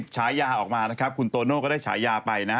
ฉายาออกมานะครับคุณโตโน่ก็ได้ฉายาไปนะฮะ